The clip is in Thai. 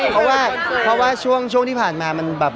เพราะว่าเพราะว่าช่วงที่ผ่านมามันแบบ